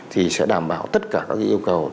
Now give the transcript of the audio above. thì sẽ đảm bảo tất cả các yêu cầu